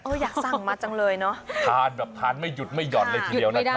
อยากสั่งมาจังเลยเนอะทานแบบทานไม่หยุดไม่ห่อนเลยทีเดียวนะครับ